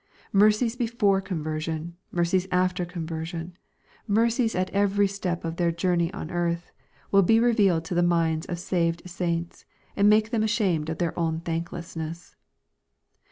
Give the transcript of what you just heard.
Mercies before conversion, mercies after conversion, mercies at every step of their journey on earth, will be revealed to the minds of saved saints, and make them ashamed of their own thanklessness.